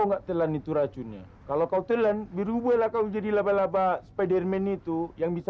enggak telan itu racunnya kalau kau telan dirubahlah kau jadi laba laba spiderman itu yang bisa